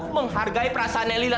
menghargai perasaan lila